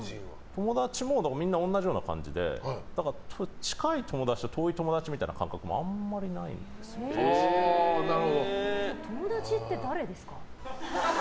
友達もみんな同じような感じで近い友達と遠い友達みたいな感覚も友達って誰ですか？